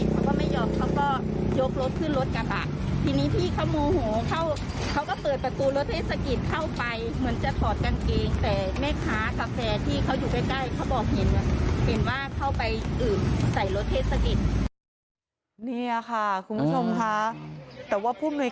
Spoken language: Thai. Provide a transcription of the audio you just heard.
แต่แม่ค้ากับแฟนที่เขาอยู่ใกล้เขาบอกเห็นเห็นว่าเข้าไปอิ่มใส่รถเทศกิต